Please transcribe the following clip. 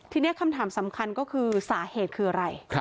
ทีนี้คำถามสำคัญก็คือสาเหตุคืออะไร